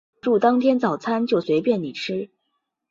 入住当天早餐就随便你吃